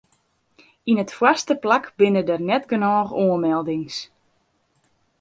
Yn it foarste plak binne der net genôch oanmeldings.